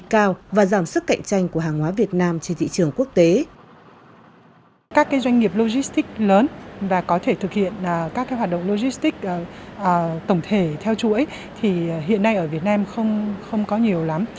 các doanh nghiệp logistics lớn và có thể thực hiện các hoạt động logistics tổng thể theo chuỗi thì hiện nay ở việt nam không có nhiều lắm